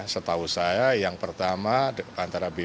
setahu saya yang pertama antara bbm